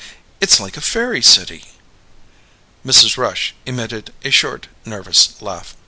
"It's like a fairy city." Mrs. Rush emitted a short, nervous laugh.